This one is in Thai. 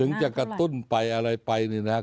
ถึงจะกระตุ้นไปอะไรไปเนี่ยนะคะ